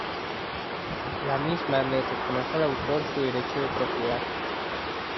La misma le reconoce al autor su derecho de propiedad.